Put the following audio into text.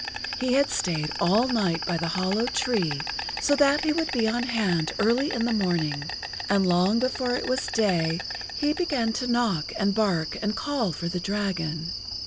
He had stayed all night by the hollow tree so that he would be on hand early in the morning, and long before it was day he began to knock and bark and call for the dragon.